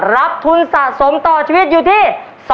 รับทุนสะสมต่อชีวิตอยู่ที่